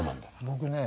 僕ね